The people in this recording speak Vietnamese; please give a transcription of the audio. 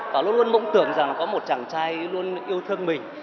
và luôn luôn mong tưởng rằng có một chàng trai luôn yêu thương mình